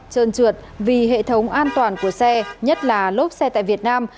trơn trượt vì hệ thống an toàn của xe nhất là lốp xe tại việt nam